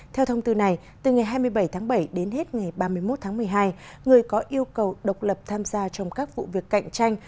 theo thông tư này từ ngày hai mươi bảy tháng bảy đến hết ngày ba mươi một tháng một mươi hai người có yêu cầu độc lập tham gia trong các vụ việc cạnh tranh